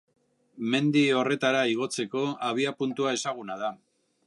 Mendi horretara igotzeko abiapuntu ezaguna da.